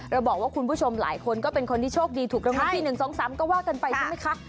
เราบอกว่าคุณผู้ชมหลายคนก็เป็นคนที่โชคดีถูกรางวัลที่๑๒๓ก็ว่ากันไปใช่ไหมคะ